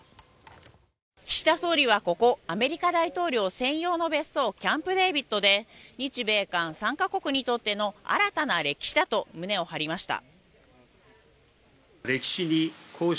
岸田総理はここアメリカ大統領専用の別荘キャンプデービッドで日米韓３か国にとっての新たな歴史だと胸を張りました。